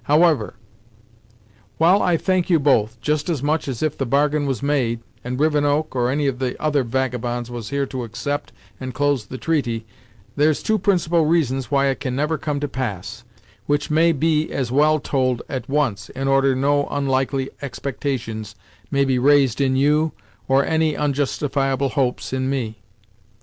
However, while I thank you both, just as much as if the bargain was made, and Rivenoak, or any of the other vagabonds, was here to accept and close the treaty, there's two principal reasons why it can never come to pass, which may be as well told at once, in order no onlikely expectations may be raised in you, or any onjustifiable hopes in me."